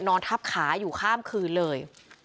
นอนทับขาอยู่ข้ามคืนเลย